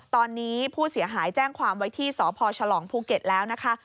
ตอนนี้ผู้เสียหายแจ้งความไว้ที่สพฉลองภูเก็ตแล้วนะคะ